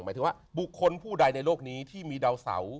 หมายถึงว่าบุคคลผู้ใดในโลกนี้ที่มีดาวเสา